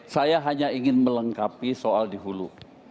saya hanya ingin melengkapi soal di hulu